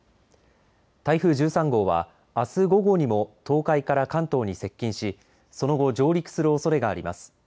台風１３号は、あす午後にも東海から関東に接近し、その後上陸するおそれがあります。